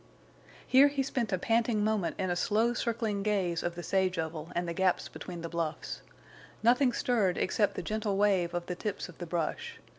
Here he spent a panting moment in a slow circling gaze of the sage oval and the gaps between the bluffs. Nothing stirred except the gentle wave of the tips of the brush.